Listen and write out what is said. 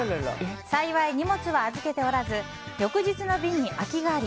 幸い、荷物は預けておらず翌日の便に空きがあり